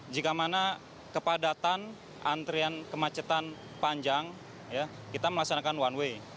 jika mana kepadatan antrian kemacetan panjang kita melaksanakan one way